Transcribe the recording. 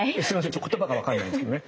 ちょっと言葉が分かんないんですけどね。